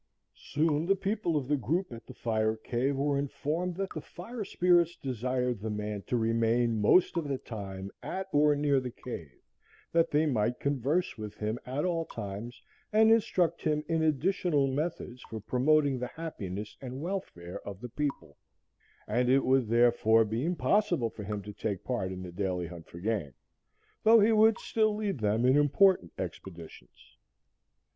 Soon the people of the group at the fire cave were informed that the fire spirits desired the man to remain most of the time at or near the cave that they might converse with him at all times and instruct him in additional methods for promoting the happiness and welfare of the people, and it would, therefore, be impossible for him to take part in the daily hunt for game, though he would still lead them in important expeditions.